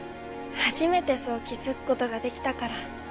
初めてそう気づく事ができたから。